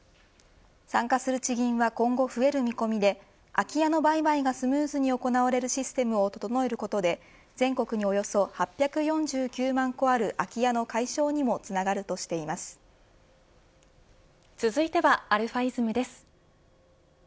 参加する地銀は今後増える見込みで空き家の売買がスムーズに行われるシステムを整えることで全国におよそ８４９万戸ある空き家の解消にも続いてはαｉｓｍです。